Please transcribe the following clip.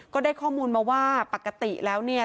ก็ได้ข้อมูลมาว่าปกติแล้วเนี่ย